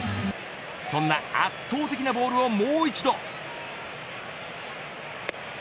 そんな圧倒的なボールをもう一度。